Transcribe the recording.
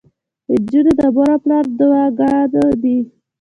انجونو د مور او پلار دوعاګويه دي.